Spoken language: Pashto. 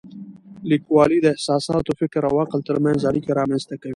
لیکوالی د احساساتو، فکر او عقل ترمنځ اړیکه رامنځته کوي.